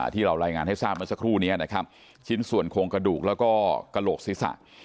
ที่เรารายงานให้ทราบเมื่อสักครู่นี้นะครับชิ้นส่วนโครงกระดูกแล้วก็กระโหลกศีรษะ